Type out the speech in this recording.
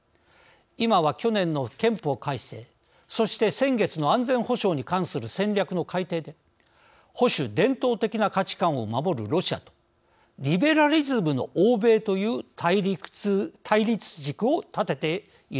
今は去年の憲法改正そして先月の安全保障に関する戦略の改定で保守伝統的な価値観を守るロシアとリベラリズムの欧米という対立軸を立てているのです。